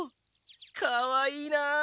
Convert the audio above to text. かわいいな。